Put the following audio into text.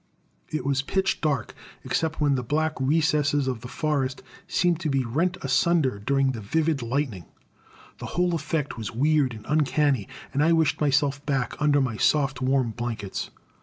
It was pitch dark, except when the black recesses of the forest seemed to be rent asunder during the vivid lightning. The whole effect was weird and uncanny, and I wished myself back under my soft, warm blankets.